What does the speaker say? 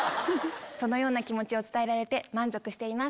そのような気持ちを伝えられて満足しています。